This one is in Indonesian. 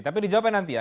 tapi dijawabkan nanti ya